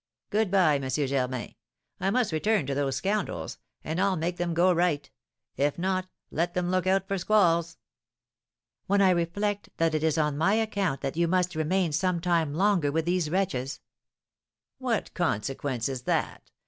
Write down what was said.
"Good bye, M. Germain. I must return to those scoundrels, and I'll make them go right; if not, let them look out for squalls!" "When I reflect that it is on my account that you must remain some time longer with these wretches " "What consequence is that?